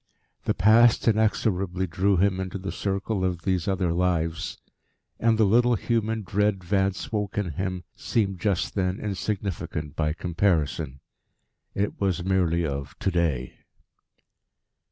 The Past inexorably drew him into the circle of these other lives, and the little human dread Vance woke in him seemed just then insignificant by comparison. It was merely of To day.